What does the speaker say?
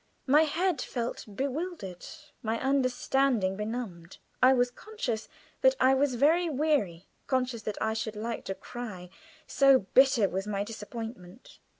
My head felt bewildered; my understanding benumbed. I was conscious that I was very weary conscious that I should like to cry, so bitter was my disappointment.